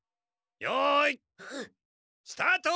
よいスタート！